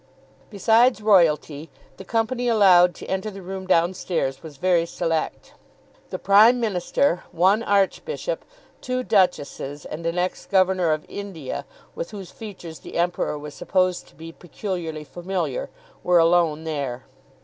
Besides royalty the company allowed to enter the room downstairs was very select. The Prime Minister, one archbishop, two duchesses, and an ex governor of India with whose features the Emperor was supposed to be peculiarly familiar, were alone there.